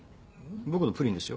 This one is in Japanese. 僕のプリンですよ。